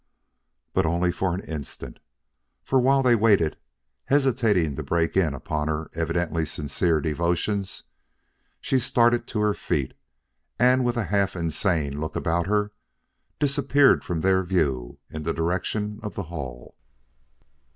But only for an instant; for while they waited, hesitating to break in upon her evidently sincere devotions, she started to her feet and with a half insane look about her, disappeared from their view in the direction of the hall.